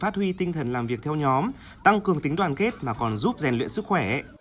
thuy tinh thần làm việc theo nhóm tăng cường tính đoàn kết mà còn giúp rèn luyện sức khỏe